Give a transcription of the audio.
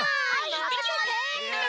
いってきます。